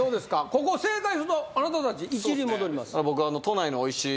ここ正解するとあなたたち一流に戻ります